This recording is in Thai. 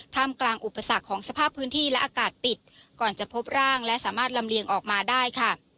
มกลางอุปสรรคของสภาพพื้นที่และอากาศปิดก่อนจะพบร่างและสามารถลำเลียงออกมาได้ค่ะ